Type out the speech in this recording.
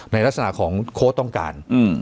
ในลักษณะของโค้ดต้องการ